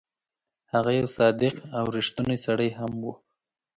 هغه یو صادق او ریښتونی سړی هم وو.